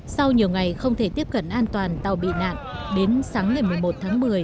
sau nhiều ngày không thể tiếp cận an toàn tàu bị nạn đến sáng ngày một mươi một tháng một mươi